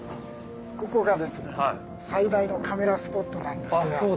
ここが最大のカメラスポットなんですが。